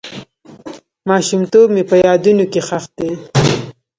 ماشومتوب مې په یادونو کې ښخ دی.